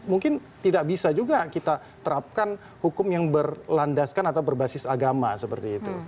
mungkin tidak bisa juga kita terapkan hukum yang berlandaskan atau berbasis agama seperti itu